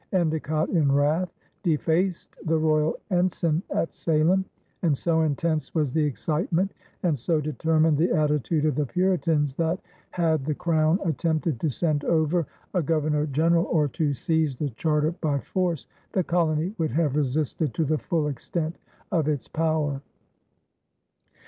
Endecott, in wrath, defaced the royal ensign at Salem, and so intense was the excitement and so determined the attitude of the Puritans that, had the Crown attempted to send over a Governor General or to seize the charter by force, the colony would have resisted to the full extent of its power.